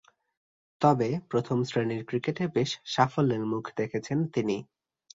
তবে, প্রথম-শ্রেণীর ক্রিকেটে বেশ সাফল্যের মুখ দেখেছেন তিনি।